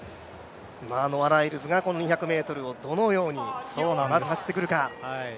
ノア・ライルズが２００ｍをどのように走ってくるか。